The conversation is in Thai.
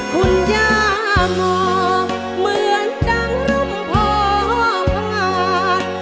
คุณย่ามองเหมือนจังรุ่มพอผงา